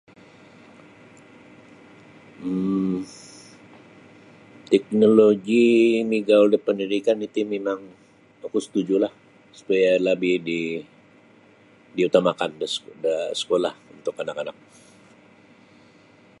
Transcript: um Teknoloji migaul da pendidikan iti mimang oku setujulah supaya lebih diutamakan da da sekolah untuk anak-anak.